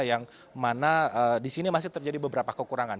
yang mana disini masih terjadi beberapa kekurangan